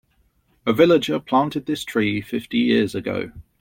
A villager planted this tree fifty years ago.